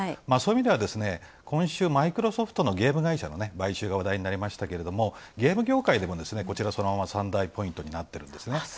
そういう意味では今週、マイクロソフトのゲーム会社の買収が話題になりましたけれどもゲーム業界でも、３大ポイントになっているんですね。